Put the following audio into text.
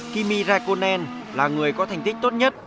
kimi raikonen là người có thành tích tốt nhất